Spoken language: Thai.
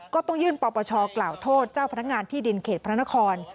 ก็ต้องยื่นปปชกล่าวโทษเจ้าพนักงานที่ดินเขตพระนคร